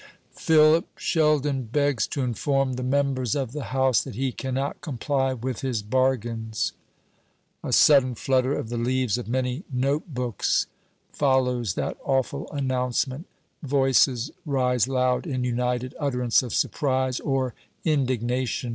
"Philip Sheldon begs to inform the members of the House that he cannot comply with his bargains." A sudden flutter of the leaves of many note books follows that awful announcement. Voices rise loud in united utterance of surprise or indignation.